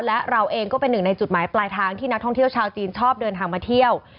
และเราเองก็เป็นหนึ่งในจุดหมายปลายทางที่นักท่องเที่ยวชาวจีนชอบเดินทางมาเที่ยว